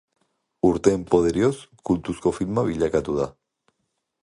Urteen poderioz kultuzko filma bilakatu da.